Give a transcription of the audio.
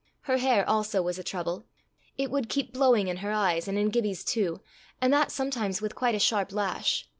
Her hair also was a trouble: it would keep blowing in her eyes, and in Gibbie's too, and that sometimes with quite a sharp lash.